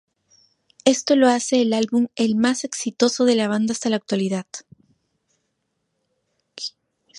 Esto lo hace el álbum el más exitoso de la banda hasta la actualidad.